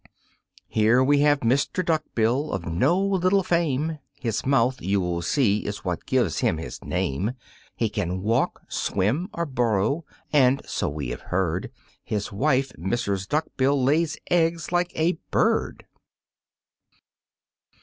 Here we have Mr. Duckbill of no little fame; His mouth, you will see, is what gives him his name. He can walk, swim or burrow and (so we have heard) His wife, Mrs. Duckbill, lays eggs like a bird.